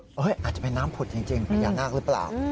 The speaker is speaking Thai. อาจจะเป็นน้ำผุดจริงพญานาคหรือเปล่า